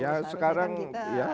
ya sekarang ya